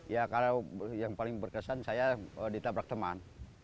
ya kalau yang paling berkesan saya ditabrak teman